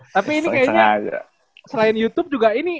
tapi ini kayaknya selain youtube juga ini